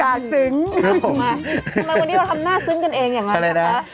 ทำไมวันนี้เราทำหน้าซึ้งกันเองอย่างนั้นนะคะ